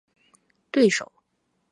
对手